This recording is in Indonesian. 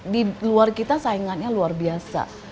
di luar kita saingannya luar biasa